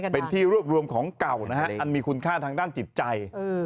เป็นที่รวบรวมของเก่านะฮะอันมีคุณค่าทางด้านจิตใจ